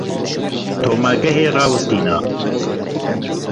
Tomargehê rawestîne.